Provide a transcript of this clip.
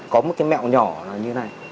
có một mẹo nhỏ như này